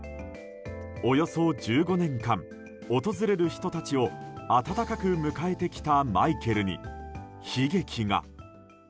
およそ１５年間、訪れる人たちを温かく迎えてきたマイケルに悲劇が。